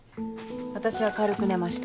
私は軽く寝ました。